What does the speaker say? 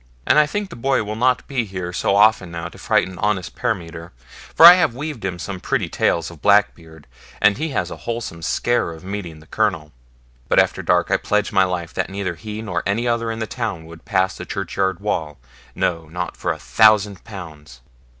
And I think the boy will not be here so often now to frighten honest Parmiter, for I have weaved him some pretty tales of Blackbeard, and he has a wholesome scare of meeting the Colonel. But after dark I pledge my life that neither he nor any other in the town would pass the churchyard wall, no, not for a thousand pounds.'